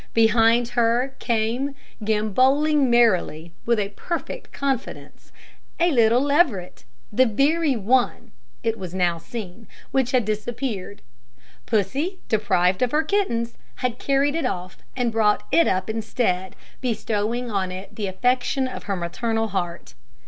Behind her came, gambolling merrily, and with perfect confidence, a little leveret, the very one, it was now seen, which had disappeared. Pussy, deprived of her kittens, had carried it off and brought it up instead, bestowing on it the affection of her maternal heart.